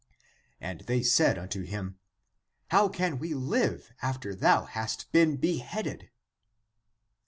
And they said unto him, " How can we live after thou hast been beheaded?